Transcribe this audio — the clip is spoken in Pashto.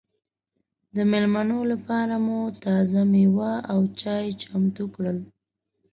د مېلمنو لپاره مو تازه مېوې او چای چمتو کړل.